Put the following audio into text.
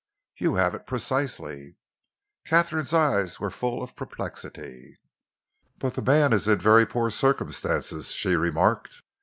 "You have it precisely." Katharine's eyes were full of perplexity. "But the man is in very poor circumstances," she remarked.